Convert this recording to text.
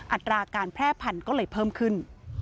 อัตราการแพร่พันธุ์ก็เลยเพิ่มขึ้น